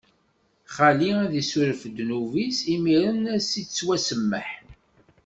Xali ad s-issuref ddnub-is, imiren ad s-ittwasemmeḥ.